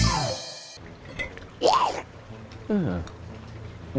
อืม